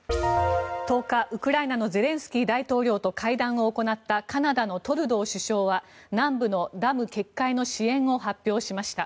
１０日、ウクライナのゼレンスキー大統領と会談を行ったカナダのトルドー首相は南部のダム決壊の支援を発表しました。